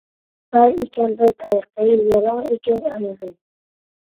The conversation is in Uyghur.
بار ئىكەن بىر تايىقى، يالاڭ ئىكەن ئايىغى.